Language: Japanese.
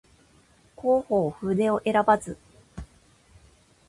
弘法筆を選ばず